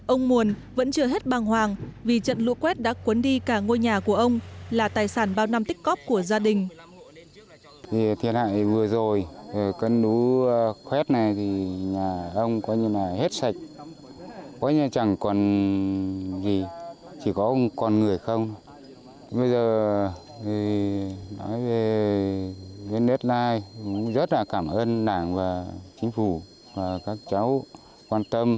ông muồn vẫn chưa hết bằng hoàng vì trận lũ quét đã cuốn đi cả ngôi nhà của ông là tài sản bao năm tích cóp của gia đình